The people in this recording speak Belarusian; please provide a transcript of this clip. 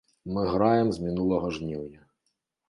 Мы граем з мінулага жніўня.